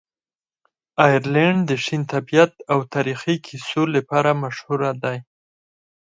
آیرلنډ د شین طبیعت او تاریخي کیسو لپاره مشهوره دی.